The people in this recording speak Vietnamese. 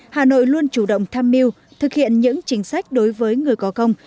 hà nội luôn chủ động tham mưu thực hiện những chính sách đối với người có công